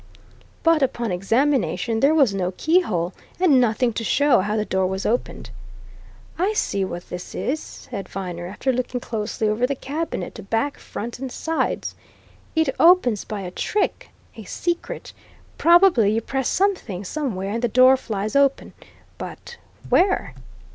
But upon examination there was no keyhole, and nothing to show how the door was opened. "I see what this is," said Viner, after looking closely over the cabinet, back, front and sides. "It opens by a trick a secret. Probably you press something somewhere and the door flies open. But where?"